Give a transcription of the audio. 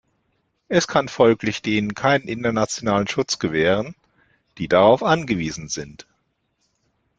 Es kann folglich denen keinen internationalen Schutz gewähren, die darauf angewiesen sind.